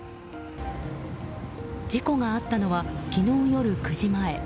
事故があったのは昨日夜９時前。